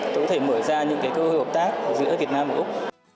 tôi có thể mở ra những cái cơ hội hợp tác giữa việt nam và úc